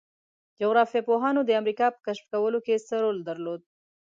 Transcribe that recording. جغرافیه پوهانو د امریکا په کشف کولو کې څه رول درلود؟